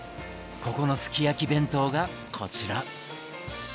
ここのすき焼き弁当がこちら。